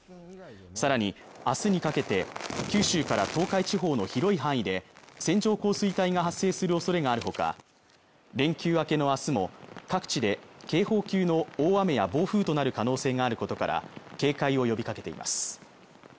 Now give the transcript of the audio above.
さらにあすにかけて九州から東海地方の広い範囲で線状降水帯が発生するおそれがあるほか連休明けのあすも各地で警報級の大雨や暴風となる可能性があることから警戒を呼びかけています